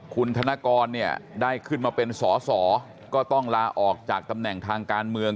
คุณธนกรเนี่ยได้ขึ้นมาเป็นสอสอก็ต้องลาออกจากตำแหน่งทางการเมือง